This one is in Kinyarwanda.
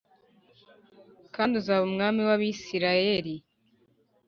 kandi uzaba umwami w’Abisirayeli